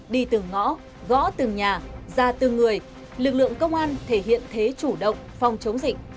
đi từ ngõ gõ từng nhà ra từng người lực lượng công an thể hiện thế chủ động phòng chống dịch